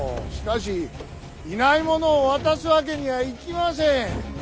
しかしいない者を渡すわけにはいきません。